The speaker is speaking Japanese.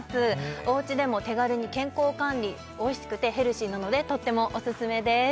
おうちでも手軽に健康管理おいしくてヘルシーなのでとってもおすすめです